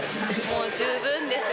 もう十分です。